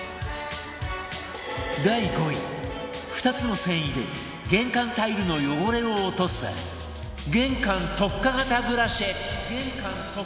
第５位２つの繊維で玄関タイルの汚れを落とす玄関特化型ブラシ